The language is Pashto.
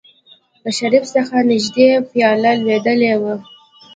له شريف څخه نژدې پياله لوېدلې وه.